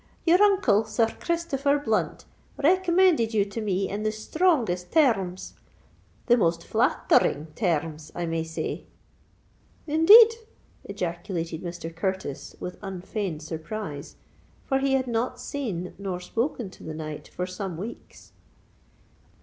"Your uncle, Sir r Christopher Blunt, recommended you to me in the strongest ter rms—the most flatter ring ter rms, I may say——" "Indeed!" ejaculated Mr. Curtis, with unfeigned surprise—for he had not seen, nor spoken to the knight for some weeks.